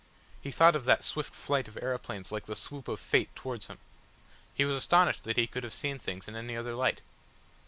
He thought of that swift flight of aeroplanes like the swoop of Fate towards him. He was astonished that he could have seen things in any other light.